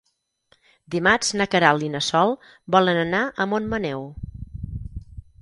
Dimarts na Queralt i na Sol volen anar a Montmaneu.